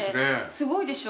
すごいでしょ？